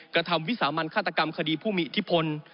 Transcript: กระทำวิสามันฆาตกรรมคดีผู้มีอิทธิพล